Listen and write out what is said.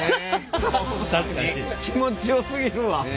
気持ちよすぎるわ。